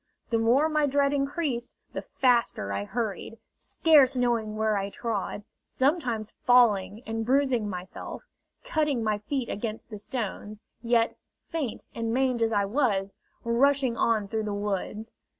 The more my dread increased, the faster I hurried, scarce knowing where I trod, sometimes falling and bruising myself, cutting my feet against the stones, yet, faint and maimed as I was, rushing on through the woods.